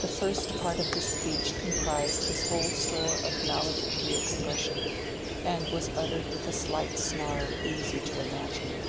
The first part of this speech comprised his whole store of maledictory expression, and was uttered with a slight snarl easy to imagine.